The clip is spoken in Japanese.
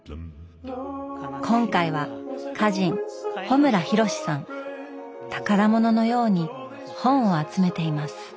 今回は宝物のように本を集めています。